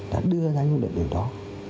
đã đưa ra những định điều đó